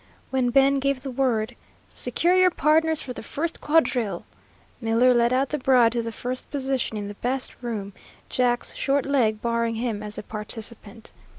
When Ben gave the word, "Secure your pardners for the first quadrille," Miller led out the bride to the first position in the best room, Jack's short leg barring him as a participant.